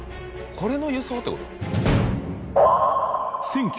これの輸送ってこと？